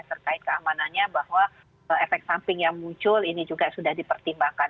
terkait keamanannya bahwa efek samping yang muncul ini juga sudah dipertimbangkan